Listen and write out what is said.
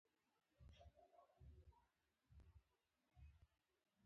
منثور متلونه نثري ځانګړنې لري لکه پردی غم تر واورو سوړ دی